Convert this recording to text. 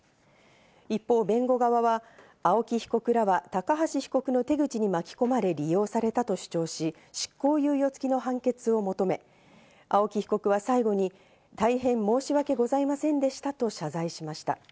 一方、弁護側は青木被告らは高橋被告の手口に巻き込まれ利用されたと主張し、執行猶予付きの判決を求め、青木被告は最後に、大変申し訳ございませんでしたと謝罪しました。